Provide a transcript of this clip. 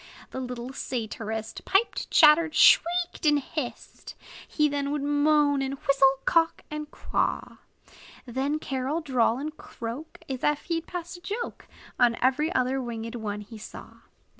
The little satirist Piped, chattered, shrieked, and hissed; He then would moan, and whistle, quack, and caw; Then, carol, drawl, and croak, As if he 'd pass a joke On every other winged one he saw.